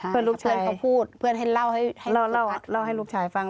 เพื่อนลูกชายเขาพูดเพื่อนให้เล่าให้ลูกชายฟัง